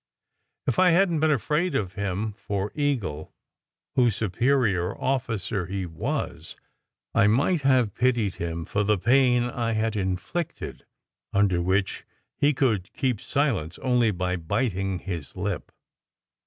If I hadn t been afraid of him for Eagle, whose superior officer he was, I might have pitied him for the pain I had inflicted, under which he could keep silence only by biting his lip.